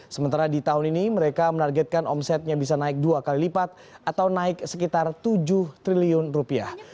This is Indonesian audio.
sementara di tahun ini mereka menargetkan omsetnya bisa naik dua kali lipat atau naik sekitar tujuh triliun rupiah